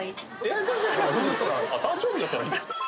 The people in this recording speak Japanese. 誕生日だったらいいんですか？